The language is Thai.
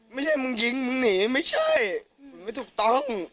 ไม่ใช่มึงยิงมึงหนีไม่ใช่ไม่ถูกต้อง